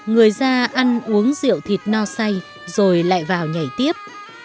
người ra ăn uống rượu thịt no say rồi lại vào nhảy tiếp